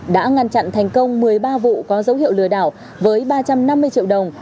đã ngăn chặn thành công một mươi ba vụ có dấu hiệu lừa đảo với ba trăm năm mươi triệu đồng